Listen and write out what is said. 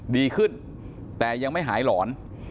ดีขึ้นแต่ยังไม่หายหลอน